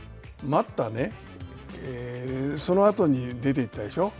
待った、そのあとに出ていったでしょう。